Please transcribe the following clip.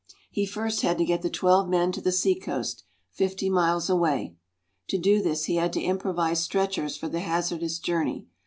He first had to get the twelve men to the sea coast fifty miles away. To do this, he had to improvise stretchers for the hazardous journey.